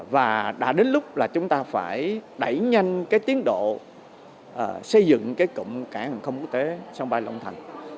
và đã đến lúc là chúng ta phải đẩy nhanh cái tiến độ xây dựng cái cụm cảng hàng không quốc tế sân bay long thành